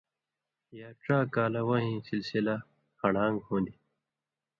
یا ڇا کالہ وحیں سلسلہ ہڑان٘گ ہُوۡندیۡ،